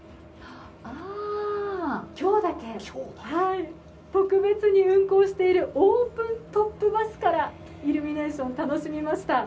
今日だけ特別に運行しているオープントップバスからイルミネーションを楽しみました。